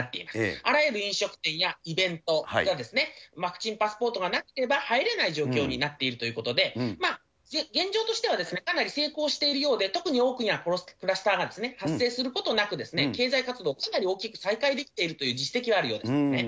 あらゆる飲食店やイベントがワクチンパスポートがなければ入れない状況になっているということで、現状としてはかなり成功しているようで、特に大きなクラスターが発生することなく、経済活動、かなり大きく再開できてるという実績があるようですね。